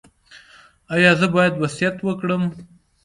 ایا زه باید وصیت وکړم؟